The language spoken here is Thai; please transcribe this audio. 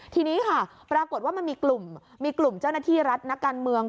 ทีนี้ค่ะปรากฏว่ามันมีกลุ่มมีกลุ่มเจ้าหน้าที่รัฐนักการเมือง